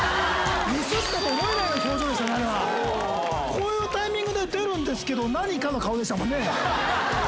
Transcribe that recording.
「こういうタイミングで出るんですけど何か？」の顔でしたもんね。